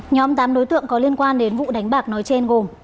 nhóm tám đối tượng có liên quan đến vụ đánh bạc nói trên gồm